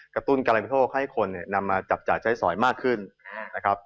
กระตุ้นการบริโภคให้คนนำมาจับจ่ายใช้สอยมากขึ้นนะครับ